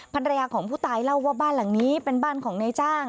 ภรรยาของผู้ตายเล่าว่าบ้านหลังนี้เป็นบ้านของนายจ้าง